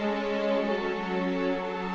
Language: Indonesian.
kamu harus bisa ikhlas